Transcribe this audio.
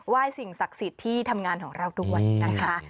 ว่ายสิ่งศักดิ์สิทธิ์ที่ทำงานของเราทุกวัน